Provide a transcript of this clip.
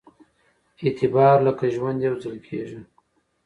اعتبار لکه ژوند يوځل کېږي